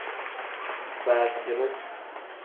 Baaziru.